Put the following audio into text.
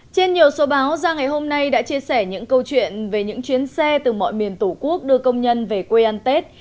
trên nhiều số báo ra ngày hôm nay đã chia sẻ những câu chuyện về những chuyến xe từ mọi miền tổ quốc đưa công nhân về quê ăn tết